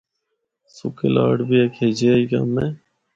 ’سکے لاڈ‘ بھی ہک ہجیا ای کم اے۔